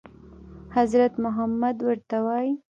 حضرت محمد ورته وايي.